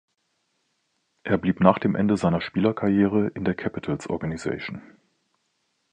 Er blieb nach dem Ende seiner Spielerkarriere in der Capitals-Organisation.